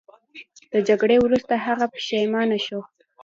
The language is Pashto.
د جګړې وروسته هغه پښیمانه شو.